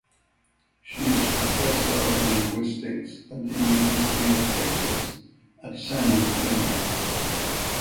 She is Professor of Linguistics at the University of Texas at San Antonio.